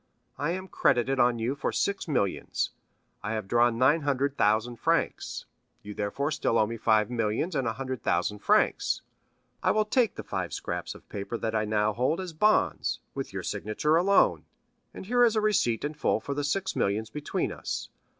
I am credited on you for six millions. I have drawn nine hundred thousand francs, you therefore still owe me five millions and a hundred thousand francs. I will take the five scraps of paper that I now hold as bonds, with your signature alone, and here is a receipt in full for the six millions between us.